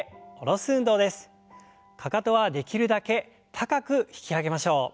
かかとはできるだけ高く引き上げましょう。